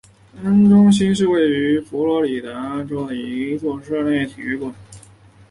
安丽中心是一座位于美国佛罗里达州奥兰多的一座室内体育馆。